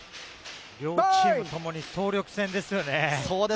両チームともに総力戦ですよね。